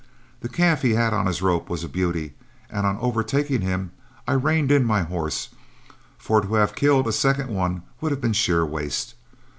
The calf he had on his rope was a beauty, and on overtaking him, I reined in my horse, for to have killed a second one would have been sheer waste.